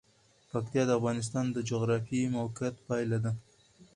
پکتیا د افغانستان د جغرافیایي موقیعت پایله ده.